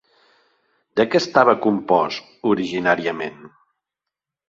De què estava compost originàriament?